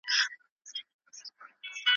نه پیالې پکښی ماتیږي نه نارې وي د رندانو